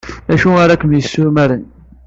D acu ara kem-yessumaren?